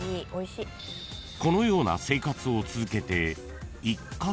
［このような生活を続けて］